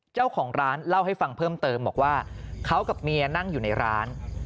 เจ้าของร้านเล่าให้ฟังเพิ่มเติมบอกว่าเขากับเมียนั่งอยู่ในร้าน